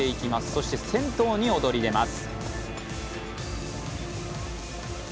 そして先頭に躍り出ます。